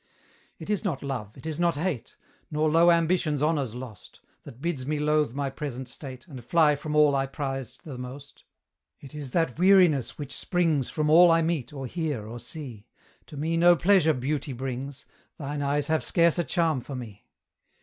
It is not love, it is not hate, Nor low Ambition's honours lost, That bids me loathe my present state, And fly from all I prized the most: It is that weariness which springs From all I meet, or hear, or see: To me no pleasure Beauty brings; Thine eyes have scarce a charm for me.